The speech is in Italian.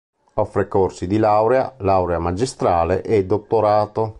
Offre corsi di laurea, laurea magistrale e dottorato.